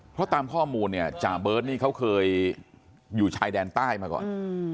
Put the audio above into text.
เพราะตามข้อมูลเนี่ยจ่าเบิร์ตนี่เขาเคยอยู่ชายแดนใต้มาก่อน